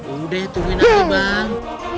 udah tungguin aja bang